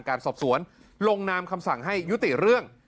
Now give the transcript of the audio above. การสอบสวนลงนามคำสั่งให้ยุติเรื่อง